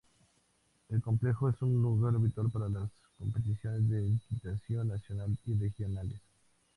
El complejo es un lugar habitual para las competiciones de equitación nacionales y regionales.